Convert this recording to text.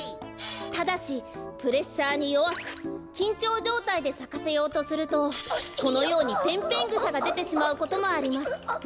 ただしプレッシャーによわくきんちょうじょうたいでさかせようとするとこのようにペンペングサがでてしまうこともあります。